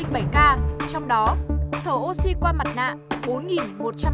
trong đó thở oxy qua mặt nạ bốn một trăm hai mươi tám ca